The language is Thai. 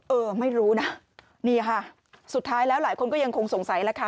เออไม่รู้นะนี่ค่ะสุดท้ายแล้วหลายคนก็ยังคงสงสัยแล้วค่ะ